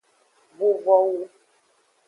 Vuvowu.